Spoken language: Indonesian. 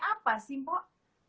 apa sih mpok